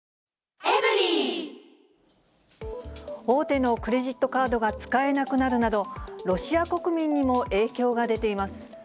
大手のクレジットカードが使えなくなるなど、ロシア国民にも影響が出ています。